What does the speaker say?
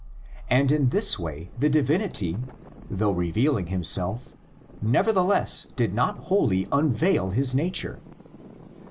and in this way the divinity, though revealing himself, nevertheless did not wholly unveil his nature.